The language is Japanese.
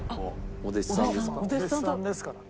お弟子さんですからね。